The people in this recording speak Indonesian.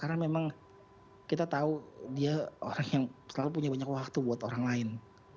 karena memang kita tahu dia orang yang selalu punya banyak waktu buat orang lain